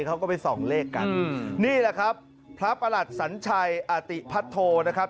เขาก็ไปส่องเลขกันนี่แหละครับพระประหลัดสัญชัยอาติพัทโทนะครับ